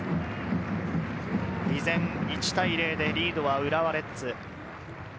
依然１対０でリードは浦和レッズ。